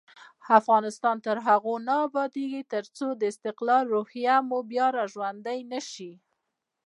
افغانستان تر هغو نه ابادیږي، ترڅو د استقلال روحیه مو بیا راژوندۍ نشي.